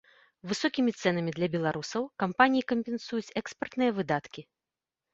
Высокімі цэнамі для беларусаў кампаніі кампенсуюць экспартныя выдаткі.